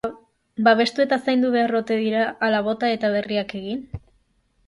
Babestu eta zaindu behar ote dira, ala bota eta berriak egin?